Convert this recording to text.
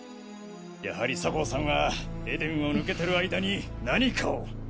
やはり酒匂さんはＥＤＥＮを抜けてる間に何かを。